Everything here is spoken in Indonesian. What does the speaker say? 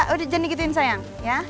udah jangan digituin sayang